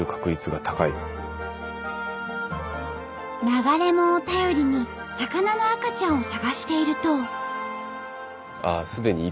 流れ藻を頼りに魚の赤ちゃんを探していると。